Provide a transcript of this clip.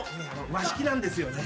和式なんですよね。